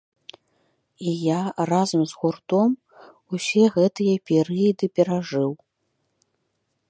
І я разам з гуртом усе гэтыя перыяды перажыў.